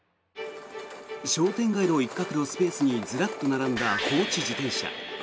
商店街の一角のスペースにずらっと並んだ放置自転車。